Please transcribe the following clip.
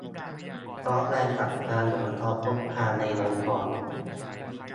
ซอฟต์แวร์จัดการอุปกรณ์พกพาในองค์กร